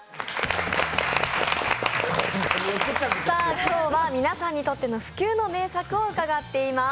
今日は皆さんにとっての不朽の名作を伺っています。